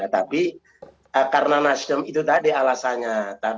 tapi karena nasdem itu tadi alasannya